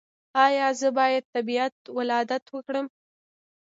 ایا زه باید طبیعي ولادت وکړم؟